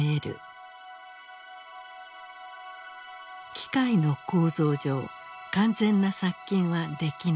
「機械の構造上完全な殺菌はできない」。